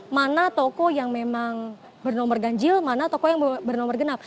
mana toko yang memang bernomor ganjil mana toko yang bernomor genap